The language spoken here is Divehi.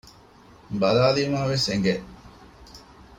ބަލާލީމައިވެސް އެނގެ